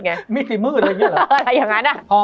มันทำให้ชีวิตผู้มันไปไม่รอด